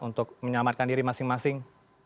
untuk menyelamatkan diri masing masing